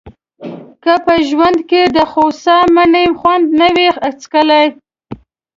که په ژوند کې دخوسا مڼې خوند نه وي څکلی.